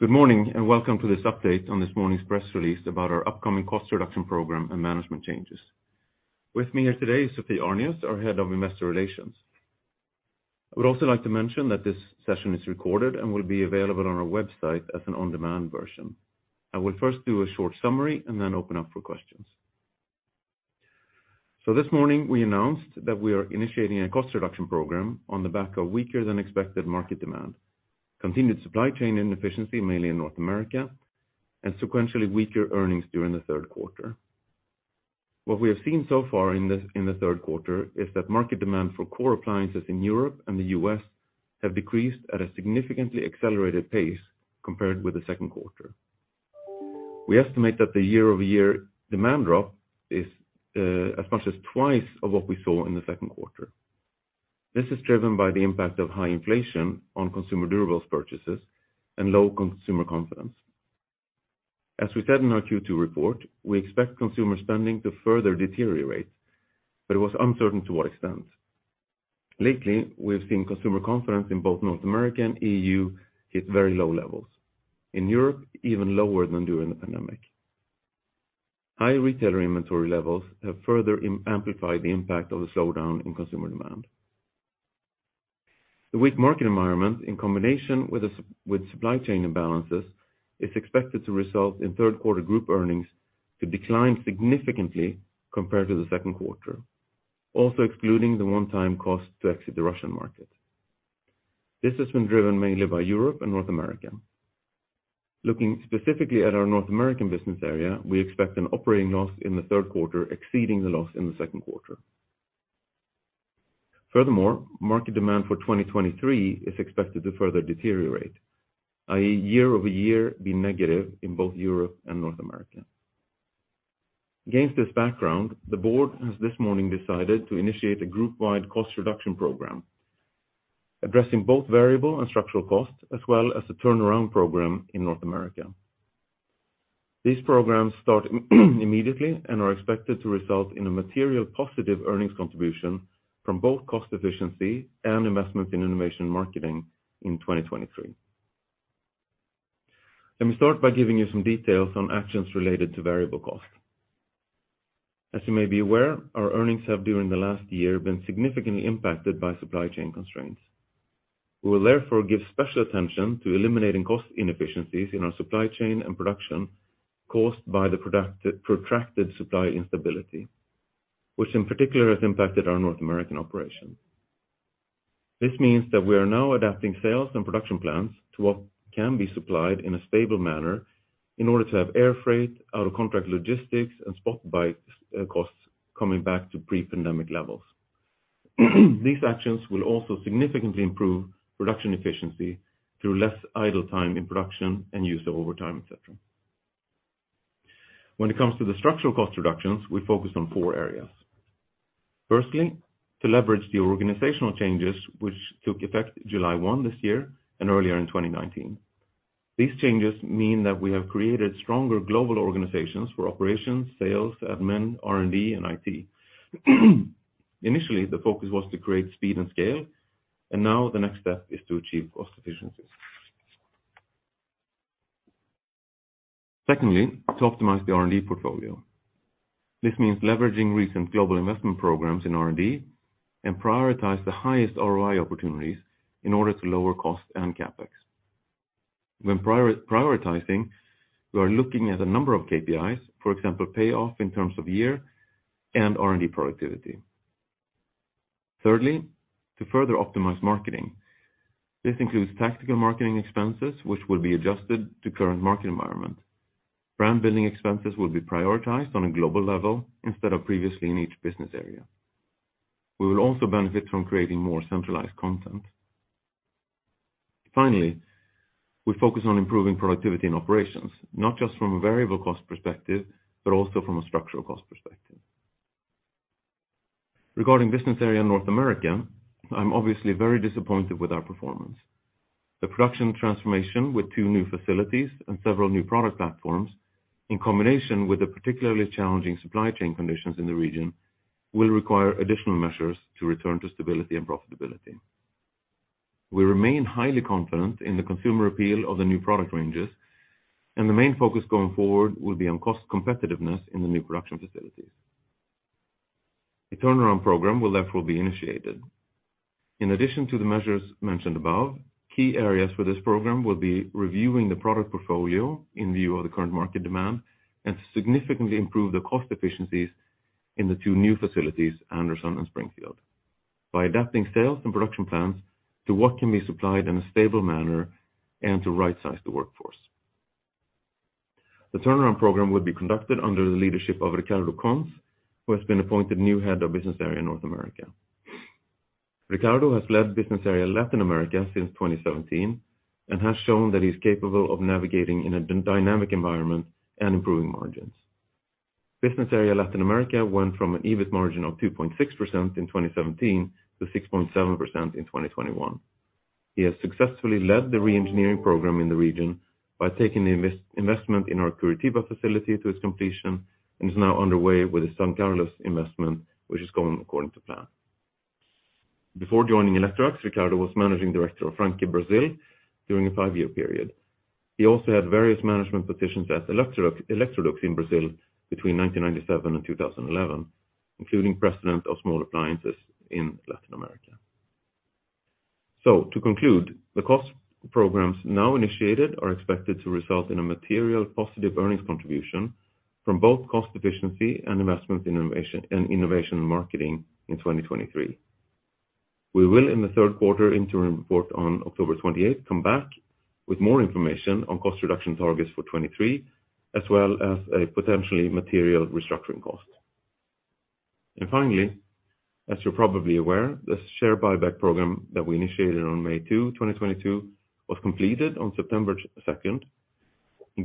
Good morning, and welcome to this update on this morning's press release about our upcoming cost reduction program and management changes. With me here today is Sophie Arnius, our Head of Investor Relations. I would also like to mention that this session is recorded and will be available on our website as an on-demand version. I will first do a short summary and then open up for questions. This morning, we announced that we are initiating a cost reduction program on the back of weaker than expected market demand, continued supply chain inefficiency, mainly in North America, and sequentially weaker earnings during the Q3. What we have seen so far in the Q3 is that market demand for core appliances in Europe and the US have decreased at a significantly accelerated pace compared with the Q2. We estimate that the year-over-year demand drop is as much as twice of what we saw in the Q2. This is driven by the impact of high inflation on consumer durables purchases and low consumer confidence. As we said in our Q2 report, we expect consumer spending to further deteriorate, but it was uncertain to what extent. Lately, we have seen consumer confidence in both North America and EU hit very low levels. In Europe, even lower than during the pandemic. High retailer inventory levels have further amplified the impact of the slowdown in consumer demand. The weak market environment, in combination with supply chain imbalances, is expected to result in Q3 group earnings to decline significantly compared to the Q2. Also excluding the one-time cost to exit the Russian market. This has been driven mainly by Europe and North America. Looking specifically at our North American business area, we expect an operating loss in the Q3 exceeding the loss in the Q2. Furthermore, market demand for 2023 is expected to further deteriorate, i.e., year-over-year be negative in both Europe and North America. Against this background, the board has this morning decided to initiate a group-wide cost reduction program, addressing both variable and structural costs, as well as a turnaround program in North America. These programs start immediately and are expected to result in a material positive earnings contribution from both cost efficiency and investment in innovation marketing in 2023. Let me start by giving you some details on actions related to variable cost. As you may be aware, our earnings have, during the last year, been significantly impacted by supply chain constraints. We will therefore give special attention to eliminating cost inefficiencies in our supply chain and production caused by the protracted supply instability, which in particular has impacted our North American operation. This means that we are now adapting sales and production plans to what can be supplied in a stable manner in order to have air freight, out of contract logistics, and spot buy costs coming back to pre-pandemic levels. These actions will also significantly improve production efficiency through less idle time in production and use of overtime, et cetera. When it comes to the structural cost reductions, we focus on four areas. Firstly, to leverage the organizational changes which took effect July 1 this year and earlier in 2019. These changes mean that we have created stronger global organizations for operations, sales, admin, R&D, and IT. Initially, the focus was to create speed and scale, and now the next step is to achieve cost efficiencies. Secondly, to optimize the R&D portfolio. This means leveraging recent global investment programs in R&D and prioritize the highest ROI opportunities in order to lower cost and CapEx. When prioritizing, we are looking at a number of KPIs, for example, payoff in terms of year and R&D productivity. Thirdly, to further optimize marketing. This includes tactical marketing expenses, which will be adjusted to current market environment. Brand building expenses will be prioritized on a global level instead of previously in each business area. We will also benefit from creating more centralized content. Finally, we focus on improving productivity in operations, not just from a variable cost perspective, but also from a structural cost perspective. Regarding business area in North America, I'm obviously very disappointed with our performance. The production transformation with two new facilities and several new product platforms, in combination with the particularly challenging supply chain conditions in the region, will require additional measures to return to stability and profitability. We remain highly confident in the consumer appeal of the new product ranges, and the main focus going forward will be on cost competitiveness in the new production facilities. A turnaround program will therefore be initiated. In addition to the measures mentioned above, key areas for this program will be reviewing the product portfolio in view of the current market demand, and significantly improve the cost efficiencies in the two new facilities, Anderson and Springfield, by adapting sales and production plans to what can be supplied in a stable manner and to right-size the workforce. The turnaround program will be conducted under the leadership of Ricardo Cons, who has been appointed new head of business area in North America. Ricardo has led business area Latin America since 2017 and has shown that he's capable of navigating in a dynamic environment and improving margins. Business area Latin America went from an EBIT margin of 2.6% in 2017 to 6.7% in 2021. He has successfully led the re-engineering program in the region by taking the investment in our Curitiba facility to its completion and is now underway with the São Carlos investment, which is going according to plan. Before joining Electrolux, Ricardo was Managing Director of Franke Brazil during a 5-year period. He also had various management positions at Electrolux in Brazil between 1997 and 2011, including President of small appliances in Latin America. To conclude, the cost programs now initiated are expected to result in a material positive earnings contribution from both cost efficiency and investments in innovation and innovation marketing in 2023. We will in the Q3 interim report on October 28 come back with more information on cost reduction targets for 2023, as well as a potentially material restructuring cost. Finally, as you're probably aware, the share buyback program that we initiated on May 2, 2022, was completed on September 2nd.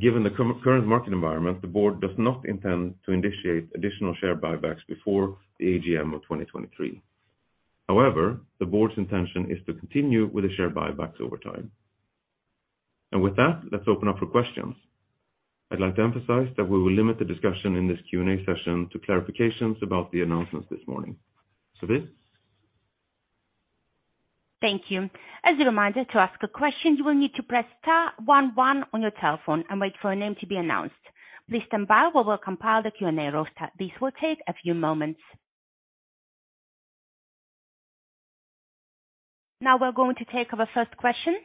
Given the current market environment, the board does not intend to initiate additional share buybacks before the AGM of 2023. However, the board's intention is to continue with the share buybacks over time. With that, let's open up for questions. I'd like to emphasize that we will limit the discussion in this Q&A session to clarifications about the announcements this morning. Sabine? Thank you. As a reminder to ask a question, you will need to press star one one on your telephone and wait for a name to be announced. Please stand by while we compile the Q&A roster. This will take a few moments. Now we're going to take our first question.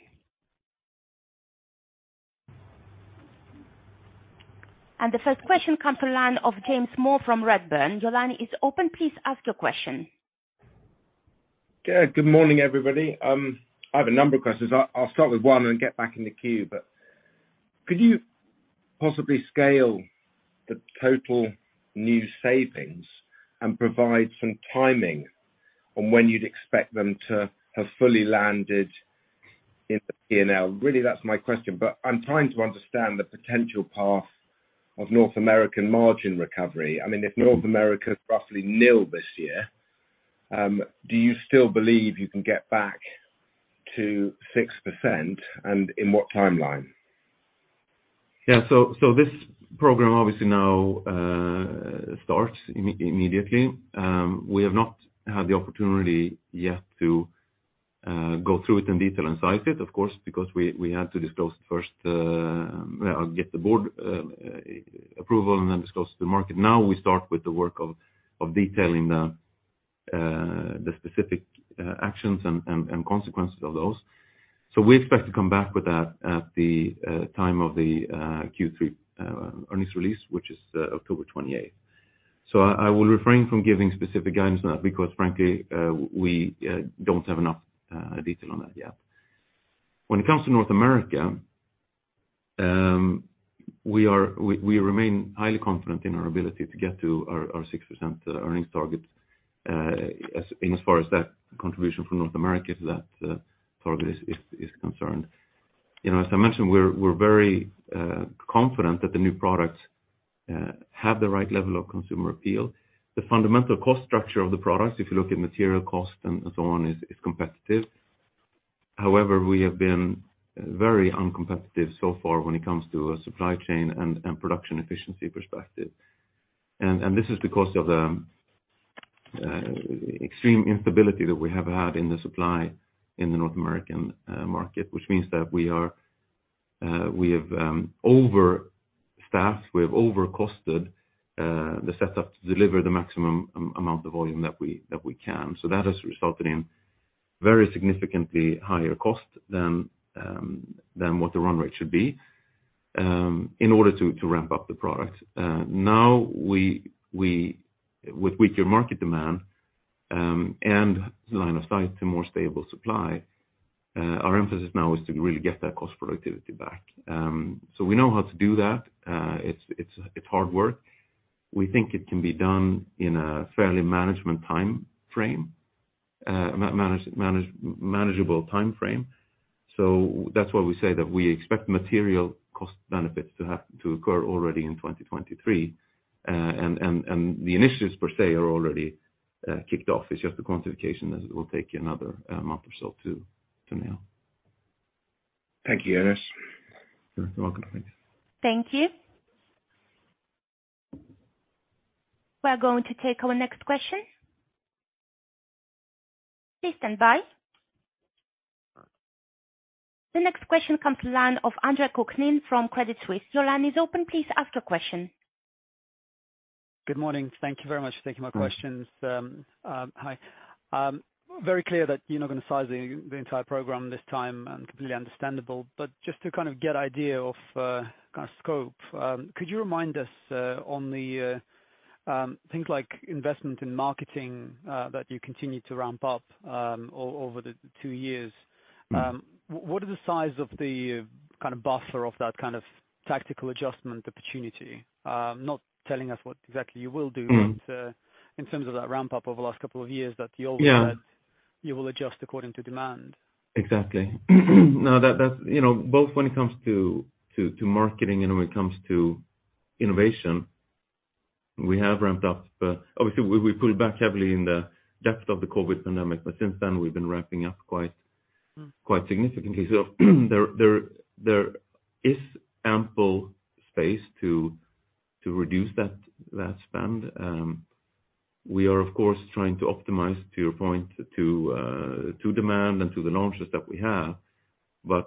The first question comes from the line of James Moore from Redburn. Your line is open, please ask your question. Yeah, good morning, everybody. I have a number of questions. I'll start with one and get back in the queue. Could you possibly scale the total new savings and provide some timing on when you'd expect them to have fully landed in the P&L? Really, that's my question, but I'm trying to understand the potential path of North American margin recovery. I mean, if North America is roughly nil this year, do you still believe you can get back to 6%, and in what timeline? Yeah. This program obviously now starts immediately. We have not had the opportunity yet to go through it in detail and size it, of course, because we had to disclose it first, get the board approval and then disclose to the market. We start with the work of detailing the specific actions and consequences of those. We expect to come back with that at the time of the Q3 earnings release, which is October 28th. I will refrain from giving specific guidance on that because frankly, we don't have enough detail on that yet. When it comes to North America, we are. We remain highly confident in our ability to get to our 6% earnings target as far as that contribution from North America to that target is concerned. You know, as I mentioned, we're very confident that the new products have the right level of consumer appeal. The fundamental cost structure of the products, if you look at material cost and so on, is competitive. However, we have been very uncompetitive so far when it comes to a supply chain and production efficiency perspective. This is because of the extreme instability that we have had in the supply chain in the North American market, which means that we have overstaffed, we have overcosted the setup to deliver the maximum amount of volume that we can. That has resulted in very significantly higher cost than what the run rate should be in order to ramp up the product. Now we with weaker market demand and line of sight to more stable supply, our emphasis now is to really get that cost productivity back. We know how to do that. It's hard work. We think it can be done in a fairly manageable timeframe. That's why we say that we expect material cost benefits to occur already in 2023. The initiatives per se are already kicked off. It's just the quantification that it will take another month or so to nail. Thank you, Jonas. You're welcome. Thanks. Thank you. We're going to take our next question. Please stand by. The next question comes to line of Andre Kukhnin from Credit Suisse. Your line is open. Please ask your question. Good morning. Thank you very much for taking my questions. Hi. Very clear that you're not gonna size the entire program this time, and completely understandable. Just to kind of get idea of kind of scope, could you remind us on the things like investment in marketing that you continued to ramp up over the two years? Mm. What is the size of the kind of buffer of that kind of tactical adjustment opportunity? Not telling us what exactly you will do. Mm. In terms of that ramp up over the last couple of years that you. Yeah. Said you will adjust according to demand. Exactly. Now that that's you know both when it comes to marketing and when it comes to innovation we have ramped up. Obviously we pulled back heavily in the depth of the COVID pandemic but since then we've been ramping up quite significantly. There is ample space to reduce that spend. We are of course trying to optimize to your point to demand and to the launches that we have.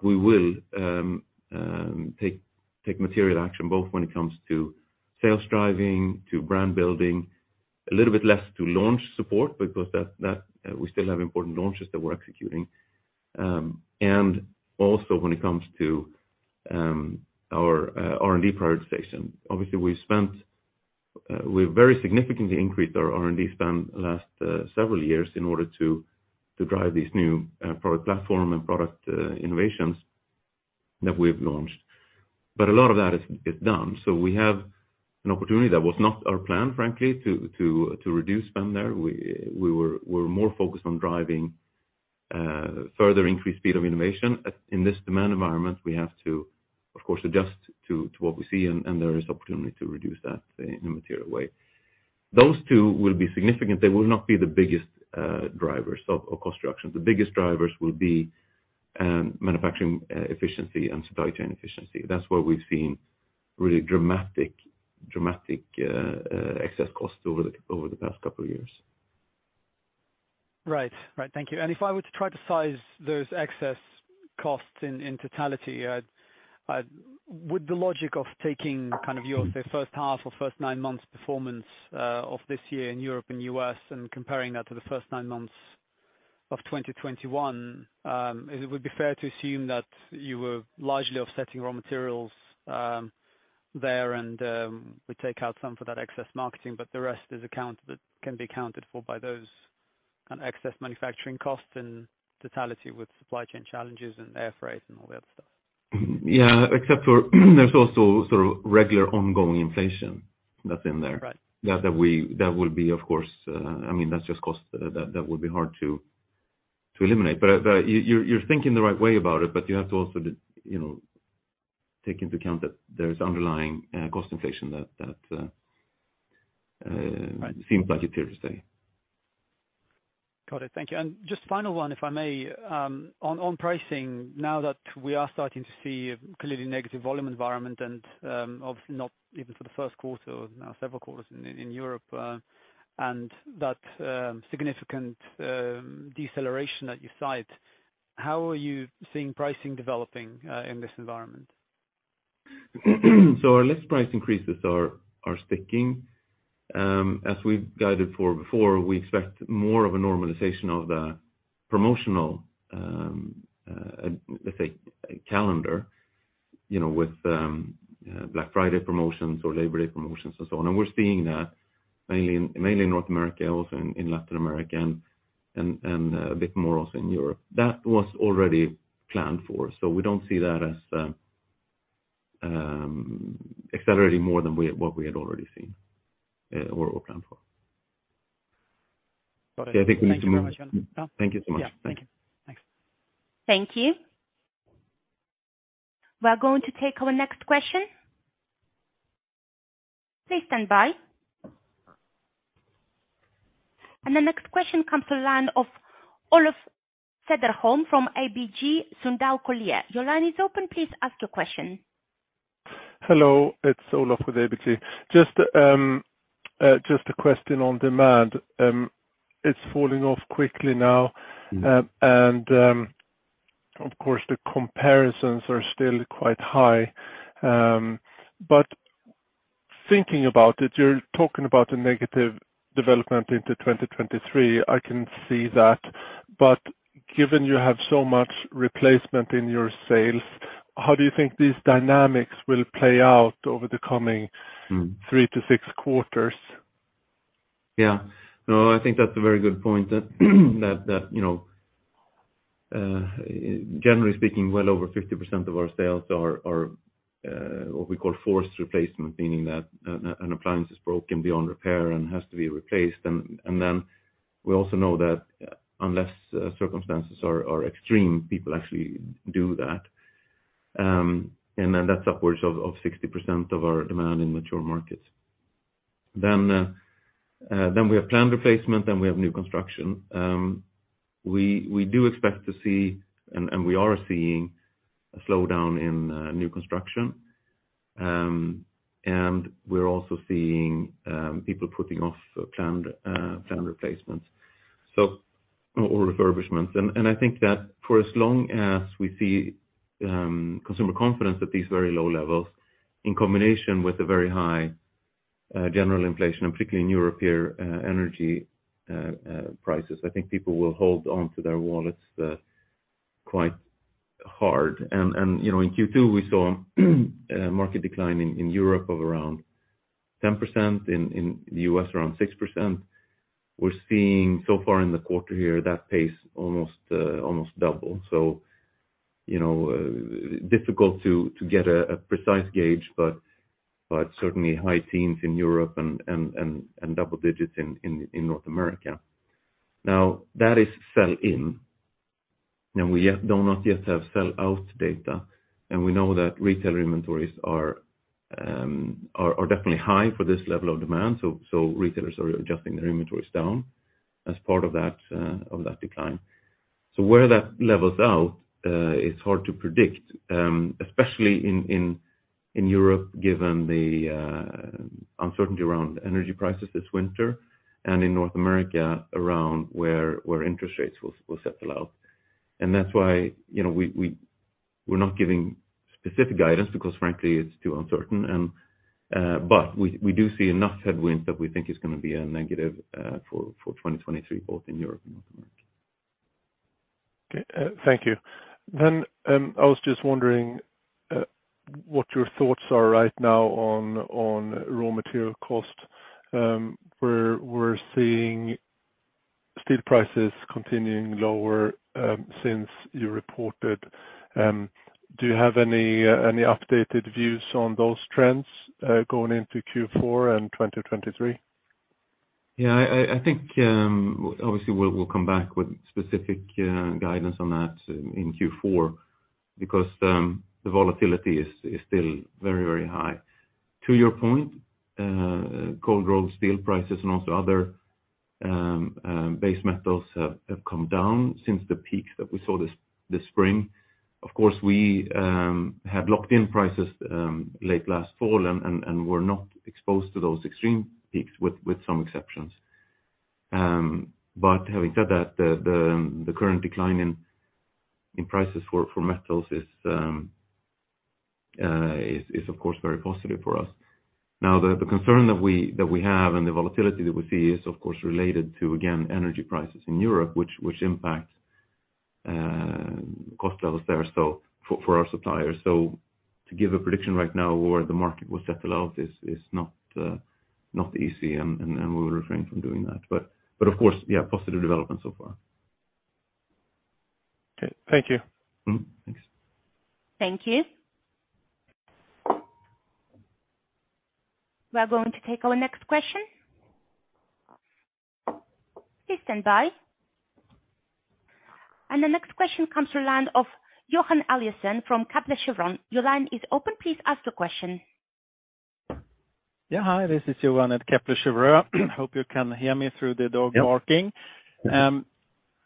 We will take material action both when it comes to sales driving to brand building a little bit less to launch support because that we still have important launches that we're executing. Also when it comes to our R&D prioritization. Obviously we very significantly increased our R&D spend last several years in order to drive these new product platform and product innovations that we have launched. A lot of that is done. We have an opportunity that was not our plan, frankly, to reduce spend there. We're more focused on driving further increased speed of innovation. In this demand environment, we have to, of course, adjust to what we see and there is opportunity to reduce that in a material way. Those two will be significant. They will not be the biggest drivers of cost reduction. The biggest drivers will be manufacturing efficiency and supply chain efficiency. That's where we've seen really dramatic excess cost over the past couple of years. Right. Thank you. If I were to try to size those excess costs in totality, I'd with the logic of taking kind of your say first half or first nine months performance of this year in Europe and U.S. and comparing that to the first nine months of 2021, it would be fair to assume that you were largely offsetting raw materials there and we take out some for that excess marketing, but the rest can be accounted for by those kind of excess manufacturing costs in totality with supply chain challenges and air freight and all that stuff. Yeah. Except for there's also sort of regular ongoing inflation that's in there. Right. That will be of course. I mean that's just cost that would be hard to eliminate. You're thinking the right way about it, but you have to also you know take into account that there's underlying cost inflation that. Right Seems like it's here to stay. Got it. Thank you. Just final one, if I may. On pricing now that we are starting to see clearly negative volume environment and not even for the Q1, now several quarters in Europe, and that significant deceleration that you cite, how are you seeing pricing developing in this environment? Our list price increases are sticking. As we've guided for before, we expect more of a normalization of the promotional, let's say calendar, you know, with Black Friday promotions or Labor Day promotions and so on. We're seeing that mainly in North America, also in Latin America and a bit more also in Europe. That was already planned for. We don't see that as accelerating more than what we had already seen or planned for. Got it. I think we need to move. Thank you very much. Thank you so much. Yeah. Thank you. Thanks. Thank you. We're going to take our next question. Please stand by. The next question comes from the line of Olof Cederholm from ABG Sundal Collier. Your line is open. Please ask your question. Hello. It's Olof with ABG. Just a question on demand. It's falling off quickly now. Mm-hmm. Of course, the comparisons are still quite high. Thinking about it, you're talking about a negative development into 2023. I can see that. Given you have so much replacement in your sales, how do you think these dynamics will play out over the coming. Mm-hmm Three to six quarters? Yeah. No, I think that's a very good point that you know generally speaking well over 50% of our sales are what we call forced replacement meaning that an appliance is broken beyond repair and has to be replaced. Then we also know that unless circumstances are extreme people actually do that. That's upwards of 60% of our demand in mature markets. We have planned replacement then we have new construction. We do expect to see and we are seeing a slowdown in new construction. We're also seeing people putting off planned replacements or refurbishments. I think that for as long as we see consumer confidence at these very low levels in combination with a very high general inflation, and particularly in Europe here, energy prices, I think people will hold on to their wallets quite hard. You know, in Q2 we saw a market decline in Europe of around 10%. In the U.S. around 6%. We're seeing so far in the quarter here that pace almost double. You know, difficult to get a precise gauge, but certainly high teens in Europe and double digits in North America. Now, that is sell-in, and we don't yet have sell-out data. We know that retailer inventories are definitely high for this level of demand. Retailers are adjusting their inventories down as part of that decline. Where that levels out is hard to predict, especially in Europe, given the uncertainty around energy prices this winter, and in North America around where interest rates will settle out. That's why, you know, we're not giving specific guidance because frankly it's too uncertain, but we do see enough headwinds that we think is gonna be a negative for 2023, both in Europe and North America. Okay. Thank you. I was just wondering what your thoughts are right now on raw material cost? We're seeing steel prices continuing lower since you reported. Do you have any updated views on those trends going into Q4 and 2023? Yeah, I think obviously we'll come back with specific guidance on that in Q4 because the volatility is still very high. To your point, cold rolled steel prices and also other base metals have come down since the peak that we saw this spring. Of course we had locked in prices late last fall and were not exposed to those extreme peaks with some exceptions. But having said that, the current decline in prices for metals is of course very positive for us. Now the concern that we have and the volatility that we see is of course related to again, energy prices in Europe which impact cost levels there so for our suppliers. To give a prediction right now where the market will settle out is not easy, and we'll refrain from doing that. Of course, yeah, positive developments so far. Okay. Thank you. Mm-hmm. Thanks. Thank you. We're going to take our next question. Please stand by. The next question comes to line of Johan Eliason from Kepler Cheuvreux. Your line is open. Please ask your question. Yeah. Hi, this is Johan Eliason at Kepler Cheuvreux. Hope you can hear me through the dog barking.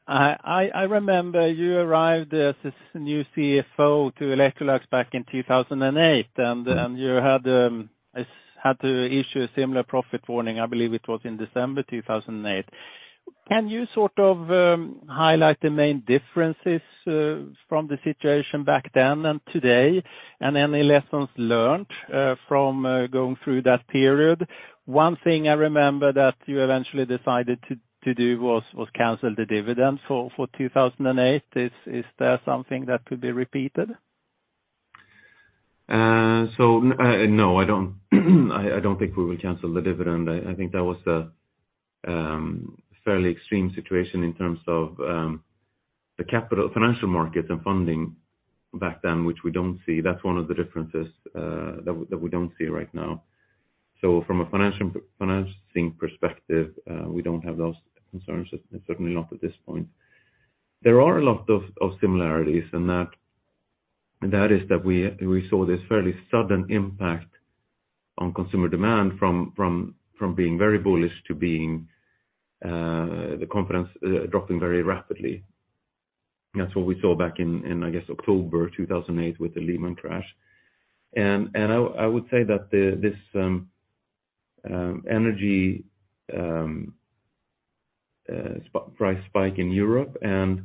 I remember you arrived as this new CFO to Electrolux back in 2008 and you had to issue a similar profit warning, I believe it was in December 2008. Can you sort of highlight the main differences from the situation back then and today, and any lessons learned from going through that period? One thing I remember that you eventually decided to do was cancel the dividends for 2008. Is there something that could be repeated? No, I don't think we will cancel the dividend. I think that was a fairly extreme situation in terms of the capital financial markets and funding back then, which we don't see. That's one of the differences that we don't see right now. From a financing perspective, we don't have those concerns, certainly not at this point. There are a lot of similarities in that, and that is that we saw this fairly sudden impact on consumer demand from being very bullish to the confidence dropping very rapidly. That's what we saw back in, I guess October 2008 with the Lehman crash. I would say that this energy price spike in Europe and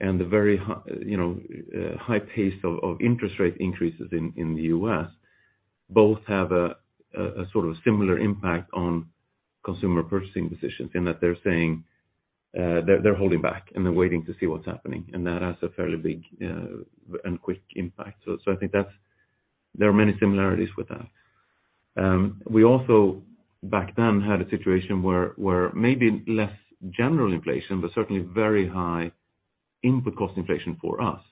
the very high pace of interest rate increases in the U.S. both have a sort of similar impact on consumer purchasing decisions in that they're saying they're holding back and they're waiting to see what's happening, and that has a fairly big and quick impact. I think that's. There are many similarities with that. We also back then had a situation where maybe less general inflation, but certainly very high input cost inflation for us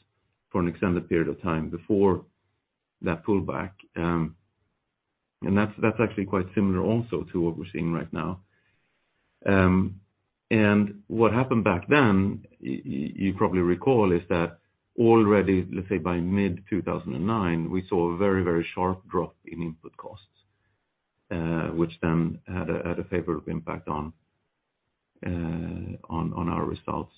for an extended period of time before that pullback. That's actually quite similar also to what we're seeing right now. What happened back then, you probably recall, is that already, let's say by mid-2009, we saw a very sharp drop in input costs, which then had a favorable impact on our results.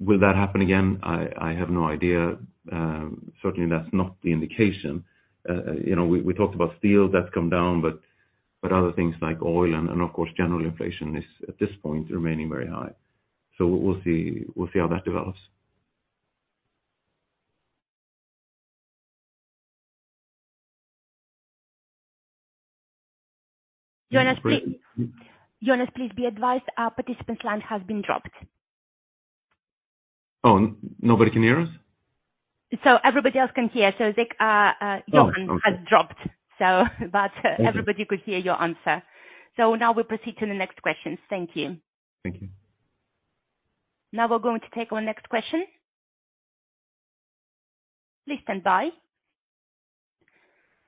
Will that happen again? I have no idea. Certainly that's not the indication. You know, we talked about steel that's come down, but other things like oil and of course general inflation is at this point remaining very high. We'll see how that develops. Jonas, please be advised our participant's line has been dropped. Oh, nobody can hear us? Everybody else can hear. I think Oh, okay. Johan has dropped, so, but everybody could hear your answer. Now we'll proceed to the next question. Thank you. Thank you. Now we're going to take our next question. Please stand by.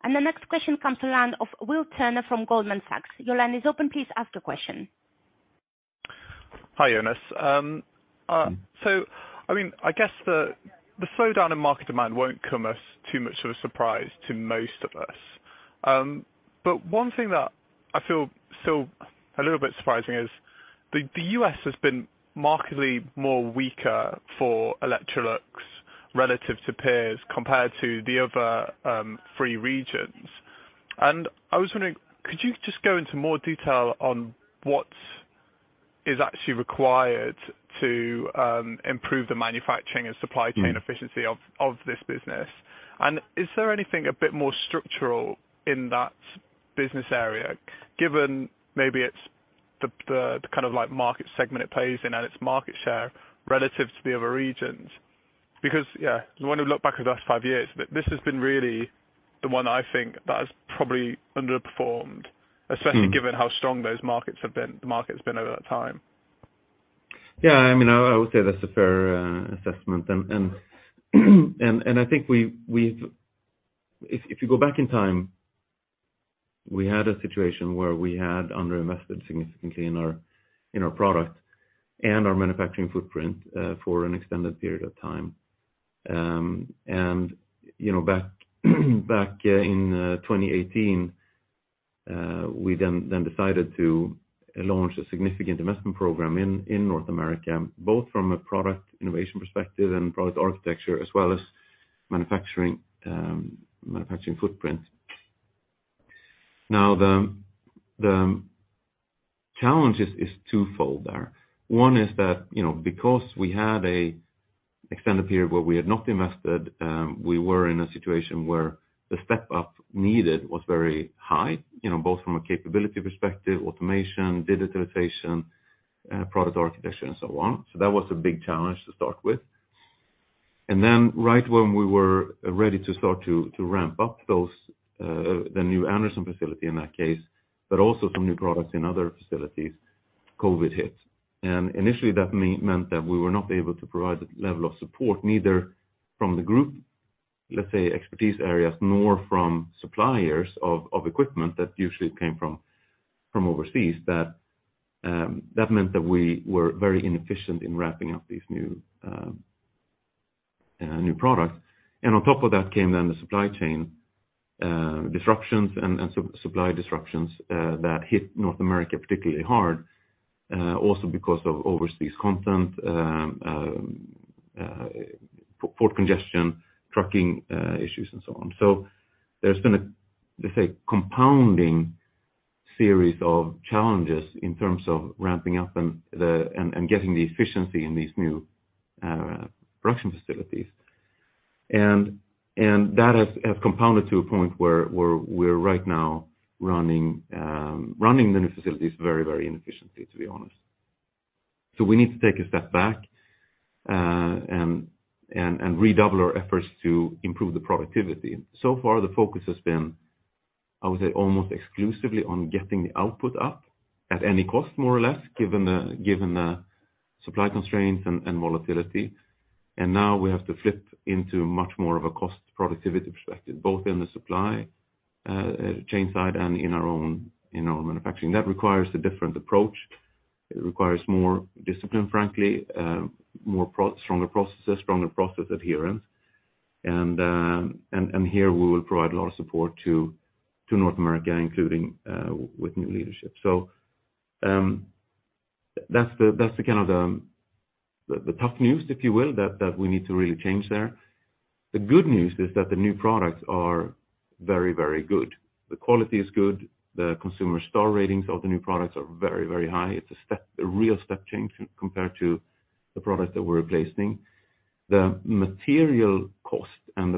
The next question comes from the line of Will Turner from Goldman Sachs. Your line is open, please ask your question. Hi, Jonas. I mean, I guess the slowdown in market demand won't come as too much of a surprise to most of us. One thing that I feel still a little bit surprising is the U.S. has been markedly more weaker for Electrolux relative to peers compared to the other three regions. I was wondering, could you just go into more detail on what is actually required to improve the manufacturing and supply chain efficiency of this business? Is there anything a bit more structural in that business area, given maybe it's the kind of like market segment it plays in and its market share relative to the other regions? Because, yeah, when we look back at the last five years, this has been really the one I think that has probably underperformed, especially given how strong those markets have been, the market's been over that time. Yeah, I mean, I would say that's a fair assessment. I think we. If you go back in time, we had a situation where we had under invested significantly in our product and our manufacturing footprint for an extended period of time. You know, back in 2018, we then decided to launch a significant investment program in North America, both from a product innovation perspective and product architecture, as well as manufacturing footprint. Now, the challenge is twofold there. One is that, you know, because we had an extended period where we had not invested, we were in a situation where the step up needed was very high, you know, both from a capability perspective, automation, digitalization, product architecture and so on. That was a big challenge to start with. Then right when we were ready to ramp up those, the new Anderson facility in that case, but also some new products in other facilities, COVID hit. Initially that meant that we were not able to provide the level of support, neither from the group, let's say, expertise areas, nor from suppliers of equipment that usually came from overseas. That meant that we were very inefficient in ramping up these new products. On top of that came then the supply chain disruptions and supply disruptions that hit North America particularly hard, also because of overseas content, port congestion, trucking issues and so on. There's been a, let's say, compounding series of challenges in terms of ramping up and getting the efficiency in these new production facilities. That has compounded to a point where we're right now running the new facilities very inefficiently, to be honest. We need to take a step back and redouble our efforts to improve the productivity. So far, the focus has been, I would say, almost exclusively on getting the output up at any cost, more or less, given the supply constraints and volatility. Now we have to flip into much more of a cost productivity perspective, both in the supply chain side and in our own manufacturing. That requires a different approach. It requires more discipline, frankly, stronger processes, stronger process adherence. Here we will provide a lot of support to North America, including with new leadership. That's the kind of tough news, if you will, that we need to really change there. The good news is that the new products are very, very good. The quality is good. The consumer star ratings of the new products are very, very high. It's a step, a real step change compared to the products that we're replacing. The material cost and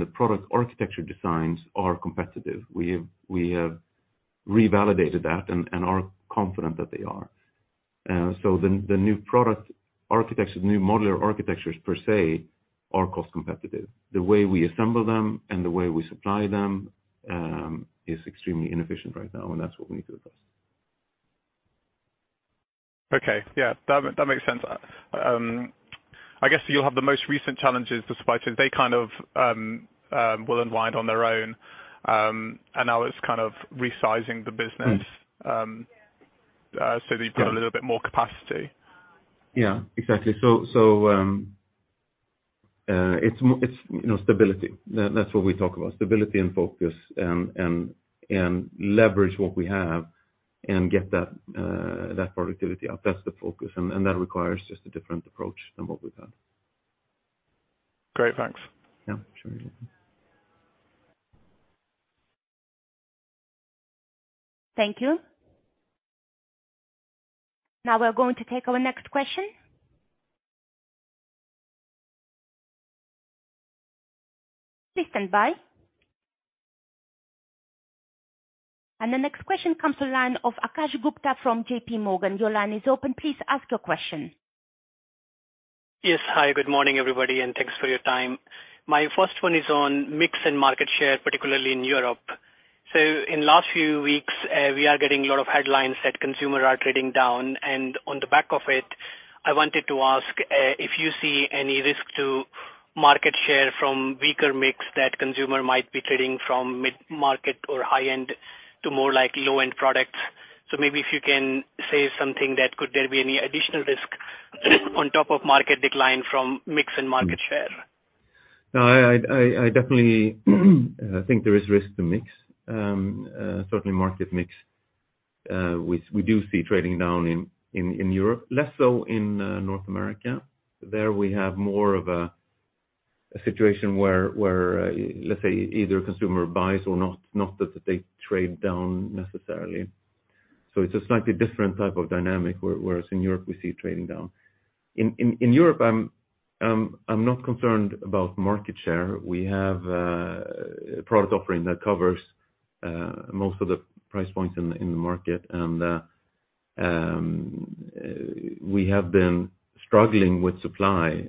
the product architecture designs are competitive. We revalidated that and are confident that they are. The new product architectures, new modular architectures per se, are cost competitive. The way we assemble them and the way we supply them is extremely inefficient right now, and that's what we need to address. Okay. Yeah. That makes sense. I guess you'll have the most recent challenges despite if they kind of will unwind on their own, and now it's kind of resizing the business. Mm. That you've got a little bit more capacity. Yeah. Exactly. It's, you know, stability. That's what we talk about, stability and focus and leverage what we have and get that productivity up. That's the focus, and that requires just a different approach than what we've had. Great. Thanks. Yeah. Sure. Thank you. Now we're going to take our next question. Please stand by. The next question comes from the line of Akash Gupta from JPMorgan. Your line is open. Please ask your question. Yes. Hi, good morning, everybody, and thanks for your time. My first one is on mix and market share, particularly in Europe. In last few weeks, we are getting a lot of headlines that consumers are trading down, and on the back of it, I wanted to ask, if you see any risk to market share from weaker mix that consumers might be trading from mid-market or high-end to more like low-end products. Maybe if you can say something that could there be any additional risk? On top of market decline from mix and market share. No, I definitely think there is risk to mix, certainly market mix, we do see trading down in Europe, less so in North America. There we have more of a situation where, let's say, either consumer buys or not that they trade down necessarily. It's a slightly different type of dynamic, whereas in Europe, we see trading down. In Europe I'm not concerned about market share. We have a product offering that covers most of the price points in the market. We have been struggling with supply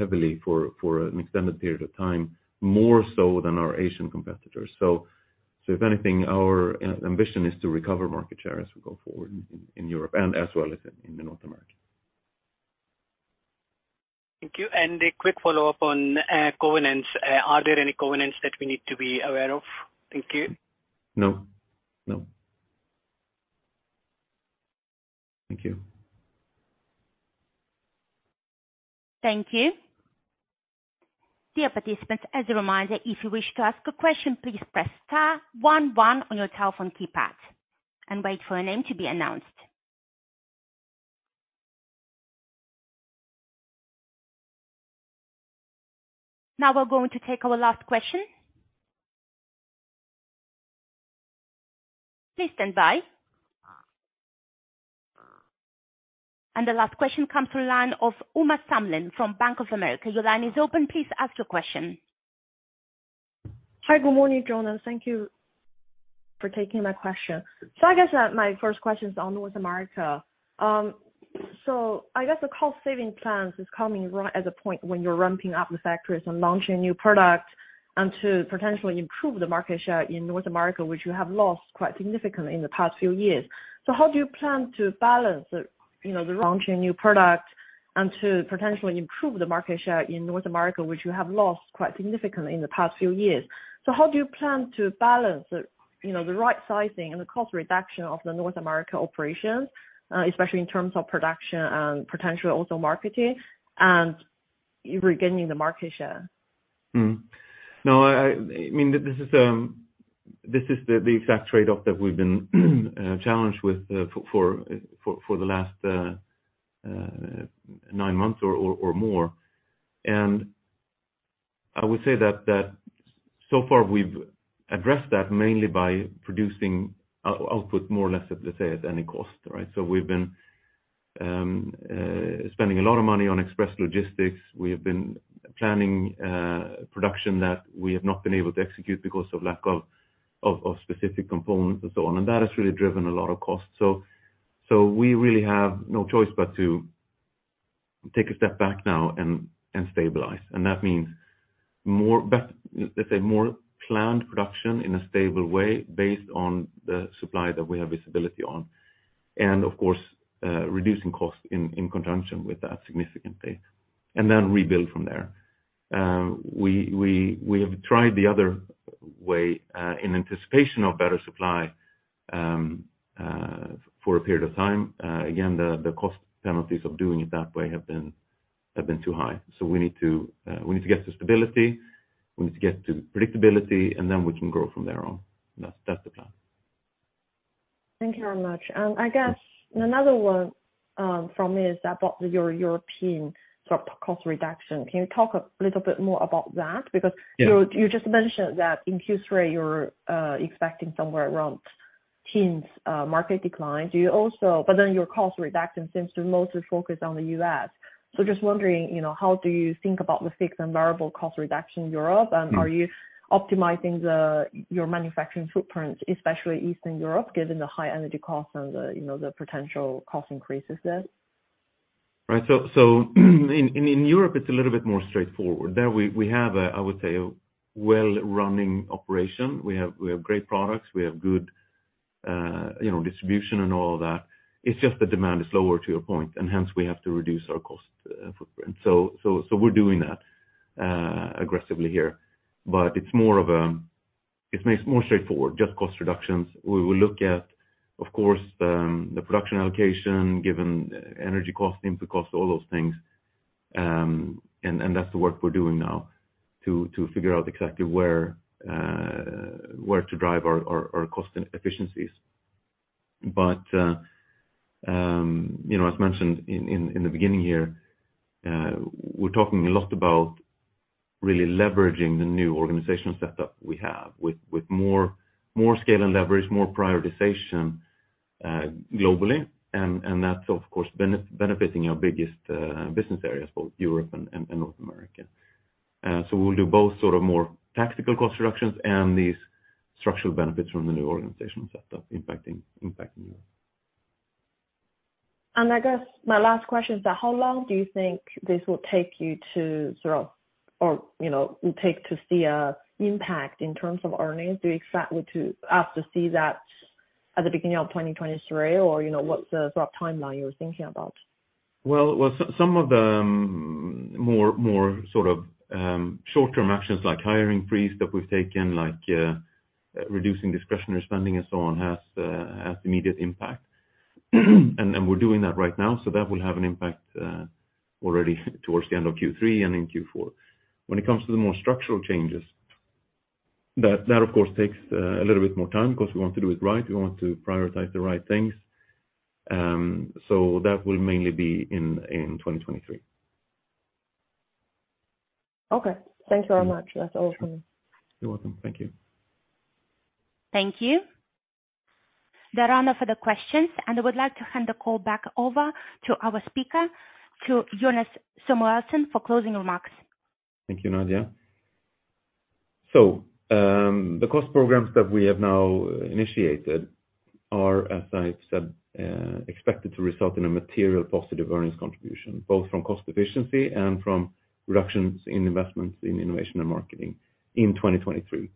heavily for an extended period of time, more so than our Asian competitors. If anything, our ambition is to recover market share as we go forward in Europe and as well as in North America. Thank you. A quick follow-up on covenants. Are there any covenants that we need to be aware of? Thank you. No. No. Thank you. Thank you. Dear participants, as a reminder, if you wish to ask a question, please press star one one on your telephone keypad and wait for a name to be announced. Now we're going to take our last question. Please stand by. The last question comes from the line of Uma Samlin from Bank of America. Your line is open. Please ask your question. Hi. Good morning, Jonas. Thank you for taking my question. I guess my first question is on North America. I guess the cost saving plans is coming right at the point when you're ramping up the factories and launching new product and to potentially improve the market share in North America, which you have lost quite significantly in the past few years. How do you plan to balance the, you know, the right sizing and the cost reduction of the North America operations, especially in terms of production and potentially also marketing and regaining the market share? No, I mean, this is the exact trade-off that we've been challenged with for the last nine months or more. I would say that so far, we've addressed that mainly by producing output more or less at, let's say, at any cost, right? We've been spending a lot of money on express logistics. We have been planning production that we have not been able to execute because of lack of specific components and so on. That has really driven a lot of costs. We really have no choice but to take a step back now and stabilize. That means more, let's say, more planned production in a stable way based on the supply that we have visibility on. Of course, reducing costs in conjunction with that significantly and then rebuild from there. We have tried the other way in anticipation of better supply for a period of time. Again, the cost penalties of doing it that way have been too high. We need to get to stability, we need to get to predictability, and then we can grow from there on. That's the plan. Thank you very much. I guess another one from me is about your European sort of cost reduction. Can you talk a little bit more about that? Yeah. You just mentioned that in Q3, you're expecting somewhere around teens market decline. Your cost reduction seems to mostly focus on the U.S. Just wondering, you know, how do you think about the fixed and variable cost reduction in Europe? Are you optimizing your manufacturing footprint, especially Eastern Europe, given the high energy costs and you know, the potential cost increases there? Right. In Europe it's a little bit more straightforward. There we have, I would say, a well-running operation. We have great products, we have good, you know, distribution and all that. It's just the demand is lower, to your point, and hence we have to reduce our cost footprint. We're doing that aggressively here. It's more straightforward, just cost reductions. We will look at, of course, the production allocation, given energy cost, input cost, all those things. That's the work we're doing now to figure out exactly where to drive our cost efficiencies. You know, as mentioned in the beginning here, we're talking a lot about really leveraging the new organization setup we have with more scale and leverage, more prioritization, globally. That's of course benefiting our biggest business areas, both Europe and North America. We'll do both sort of more tactical cost reductions and these structural benefits from the new organization setup impacting Europe. I guess my last question is that how long do you think this will take to see an impact in terms of earnings? Do you expect us to see that at the beginning of 2023? Or, you know, what's the sort of timeline you're thinking about? Some of the more sort of short-term actions like hiring freeze that we've taken, like, reducing discretionary spending and so on, has immediate impact. We're doing that right now, so that will have an impact already towards the end of Q3 and in Q4. When it comes to the more structural changes, that of course takes a little bit more time 'cause we want to do it right. We want to prioritize the right things. That will mainly be in 2023. Okay. Thank you very much. That's all from me. You're welcome. Thank you. Thank you. That rounds up the questions, and I would like to hand the call back over to our speaker, to Jonas Samuelson for closing remarks. Thank you, Nadia. The cost programs that we have now initiated are, as I've said, expected to result in a material positive earnings contribution, both from cost efficiency and from reductions in investments in innovation and marketing in 2023.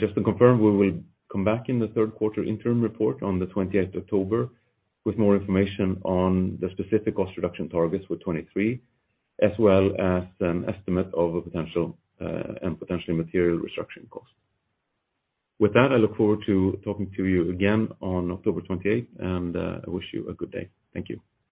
Just to confirm, we will come back in the Q3 interim report on the 28th of October with more information on the specific cost reduction targets for 2023, as well as an estimate of a potential and potentially material restructuring cost. With that, I look forward to talking to you again on October 28th, and I wish you a good day. Thank you.